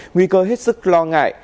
nguy cơ hết sức lo ngại